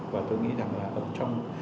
và tôi nghĩ rằng là ở trong